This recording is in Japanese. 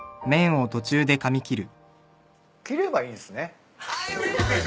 切ればいいんすね。